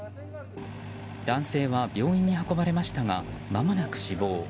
男性は病院に運ばれましたがまもなく死亡。